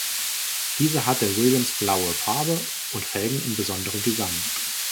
Diese hatte Williams-blaue Farbe und Felgen in besonderem Design.